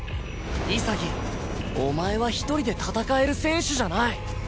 潔お前は一人で戦える選手じゃない。